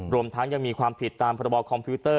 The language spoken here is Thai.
รวมทั้งยังมีความผิดตามพระบอคอมพิวเตอร์